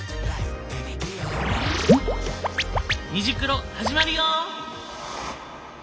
「虹クロ」始まるよ！